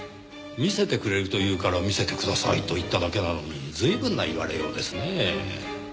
見せてくれると言うから見せてくださいと言っただけなのに随分な言われようですねぇ。